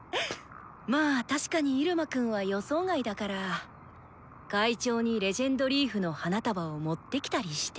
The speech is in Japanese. まぁ確かにイルマくんは予想外だから会長に「レジェンドリーフ」の花束を持ってきたりして？